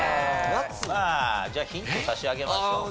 まあじゃあヒント差し上げましょうかね。